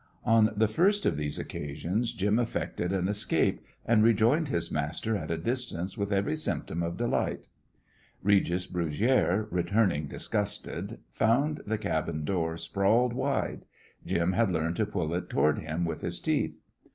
On the first of these occasions Jim effected an escape, and rejoined his master at a distance with every symptom of delight. Regis Brugiere, returning disgusted, found the cabin door sprawled wide: Jim had learned to pull it toward him with his teeth.